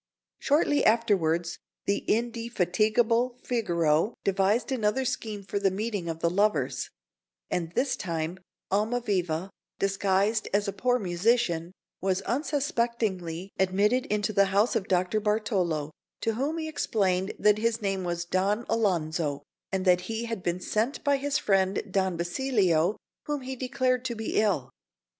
Shortly afterwards the indefatigable Figaro devised another scheme for the meeting of the lovers; and this time, Almaviva, disguised as a poor musician, was unsuspectingly admitted into the house of Dr. Bartolo, to whom he explained that his name was Don Alonzo, and that he had been sent by his friend Don Basilio, whom he declared to be ill.